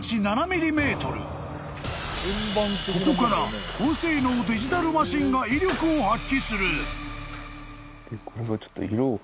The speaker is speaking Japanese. ［ここから高性能デジタルマシンが威力を発揮する］